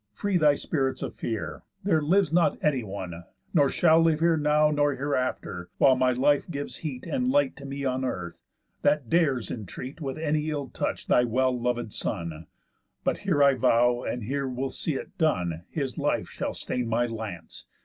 Free thy spirits of fear. There lives not anyone, nor shall live here Now, nor hereafter, while my life gives heat And light to me on earth, that dares intreat With any ill touch thy well lovéd son, But here I vow, and here will see it done, His life shall stain my lance.